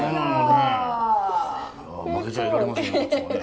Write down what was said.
負けちゃいられません。